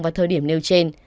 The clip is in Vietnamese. vào thời điểm nêu trên